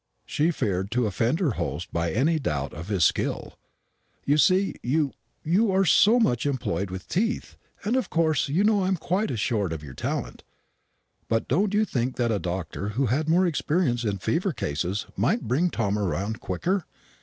She feared to offend her host by any doubt of his skill. "You see you you are so much employed with teeth and of course you know I am quite assured of your talent but don't you think that a doctor who had more experience in fever cases might bring Tom round quicker?